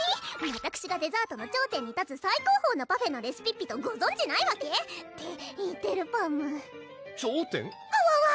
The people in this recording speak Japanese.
「わたくしがデザートの頂点に立つ最高峰のパフェのレシピッピとごぞんじないわけ⁉」って言ってるパム頂点？はわわ！